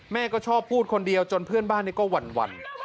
แม่ก็ชอบพูดคนเดียวจนเพื่อนบ้านก็หวั่น